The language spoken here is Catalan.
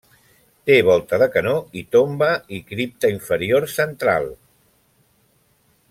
Té volta de canó i tomba i cripta inferior central.